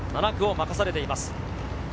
７区を任されています。